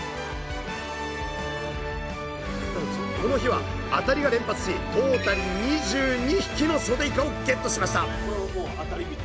この日は当たりが連発しトータル２２匹のソデイカをゲットしました！